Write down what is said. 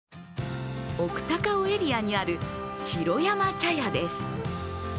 奥高尾エリアにある城山茶屋です。